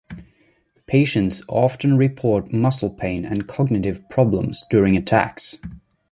Patients often report muscle pain and cognitive problems during attacks.